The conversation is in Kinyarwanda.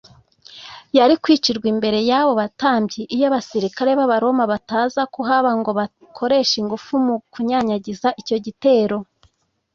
yari kwicirwa imbere y’abo batambyi, iyo abasirikare b’abaroma bataza kuhaba, ngo bakoreshe ingufu mu kunyanyagiza icyo gitero